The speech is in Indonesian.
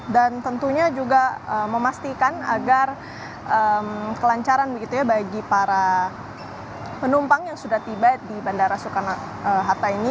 dan tentunya juga memastikan agar kelancaran bagi para penumpang yang sudah tiba di bandara soekarno hatta ini